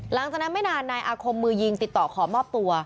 หลังจากนั้นไม่นานนายอาคมมือยิงติดต่อขอมอบตัว